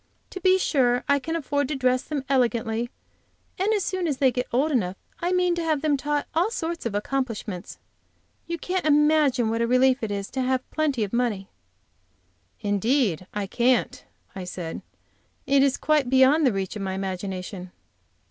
To be sure, I can afford to dress them elegantly, and as soon as they get old enough I mean to have them taught all sorts of accomplishments. You can't imagine what a relief it is to have plenty of money!" "Indeed I can't!" I said; "it is quite beyond the reach of my imagination."